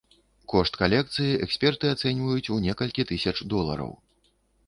Кошт калекцыі эксперты ацэньваюць у некалькі тысяч долараў.